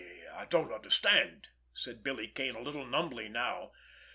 "I don't understand," said Billy Kane, a little numbly now.